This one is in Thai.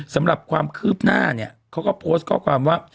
สำหรับความคืบหน้าเนี่ยเขาก็โพสต์ข้อความว่า